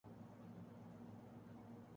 کیونکہ اس شعبے سے بھاری منافع حاصل ہوتا ہے۔